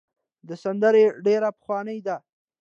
دا سندره ډېره پخوانۍ ده.